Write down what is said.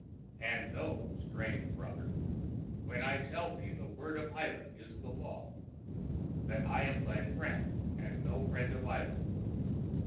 And know, strange brother, when I tell thee the word of Ivan is the law, that I am thy friend and no friend of Ivan.